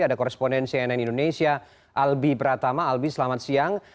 ada koresponen cnn indonesia albi pratama albi selamat siang